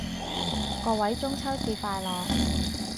各位中秋節快樂